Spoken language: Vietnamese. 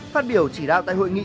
phát biểu chỉ đạo tại hội nghị